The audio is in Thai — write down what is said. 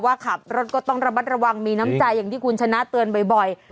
ว่าขับรถก็ต้องระมัดระวังมีน้ำใจอย่างที่คุณชนะเตือนบ่อย